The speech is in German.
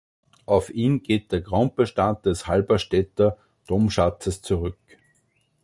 Auf ihn geht der Grundbestand des Halberstädter Domschatzes zurück.